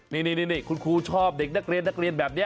เนี่ยคุณครูชอบเด็กนักเรียนแบบนี้